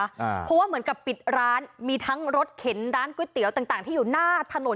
เพราะว่าเหมือนกับปิดร้านมีทั้งรถเข็นร้านก๋วยเตี๋ยวต่างต่างที่อยู่หน้าถนน